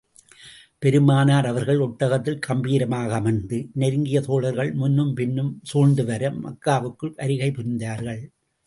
பெருமானார் அவர்கள் ஒட்டகத்தில் கம்பீரமாக அமர்ந்து, நெருங்கிய தோழர்கள் முன்னும் பின்னும் சூழ்ந்து வர, மக்காவுக்கு வருகை புரிந்தார்கள்.